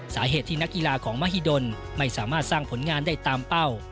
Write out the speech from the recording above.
สาเหตุที่นักกีฬาของมหิดลไม่สามารถสร้างผลงานได้ตามเป้า